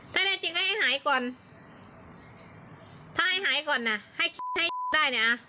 ถ้าแน่จริงก็ให้หายก่อนถ้าให้หายก่อนน่ะให้คิดให้ได้นะ